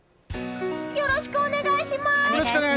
よろしくお願いします！